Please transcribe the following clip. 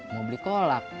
mau beli kolak